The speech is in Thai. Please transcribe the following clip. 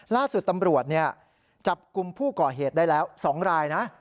ล่าสุดตำรวจจับกลุ่มผู้ก่อเหตุได้แล้ว๒รายนะ